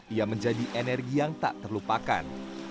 ia menjadi energi yang tak terlupakan